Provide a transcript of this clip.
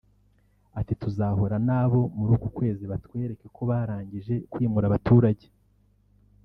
Ati “Tuzahura na bo muri uku kwezi batwereke ko barangije (kwimura abaturage)